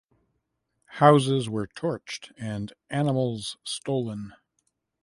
Houses were torched and animals stolen.